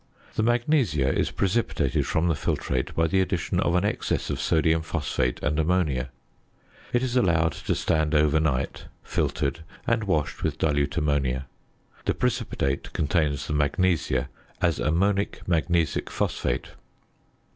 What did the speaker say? The magnesia is precipitated from the filtrate by the addition of an excess of sodium phosphate and ammonia. It is allowed to stand overnight, filtered, and washed with dilute ammonia. The precipitate contains the magnesia as ammonic magnesic phosphate.